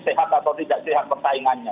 sehat atau tidak sehat persaingannya